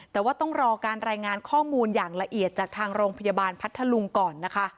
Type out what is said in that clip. แต่ว่าต้องรอการรายงานข้อมูลอย่างละเอียดจากทางโรงพยาบาลพัทธลุงก่อนนะคะ